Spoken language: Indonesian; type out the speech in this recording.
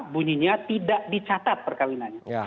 bunyinya tidak dicatat perkawinannya